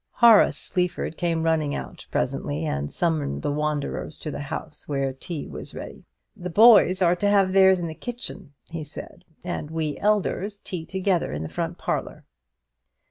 Horace Sleaford came running out presently, and summoned the wanderers to the house, where tea was ready. "The boys are to have theirs in the kitchen," he said; "and we elders tea together in the front parlour."